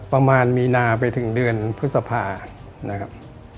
ประมาณมีนาไปถึงเดือนพฤษภานะครับ